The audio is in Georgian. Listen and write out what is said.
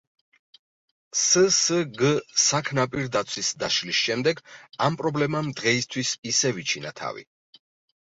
სსგ „საქნაპირდაცვის“ დაშლის შემდეგ ამ პრობლემამ დღეისთვის ისევ იჩინა თავი.